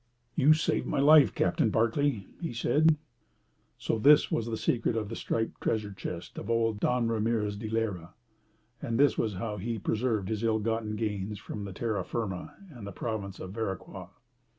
"You've saved my life, Captain Barclay!" said he. So this was the secret of the striped treasure chest of old Don Ramirez di Leyra, and this was how he preserved his ill gotten gains from the Terra Firma and the Province of Veraquas.